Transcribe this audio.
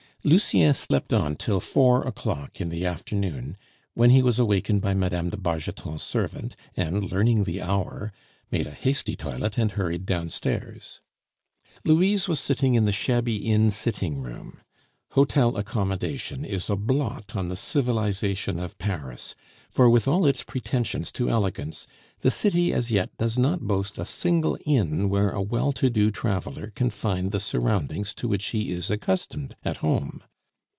Lucien slept on till four o'clock in the afternoon, when he was awakened by Mme. de Bargeton's servant, and learning the hour, made a hasty toilet and hurried downstairs. Louise was sitting in the shabby inn sitting room. Hotel accommodation is a blot on the civilization of Paris; for with all its pretensions to elegance, the city as yet does not boast a single inn where a well to do traveler can find the surroundings to which he is accustomed at home.